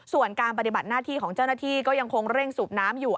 ส่วนการปฏิบัติหน้าที่ของเจ้าหน้าที่ก็ยังคงเร่งสูบน้ำอยู่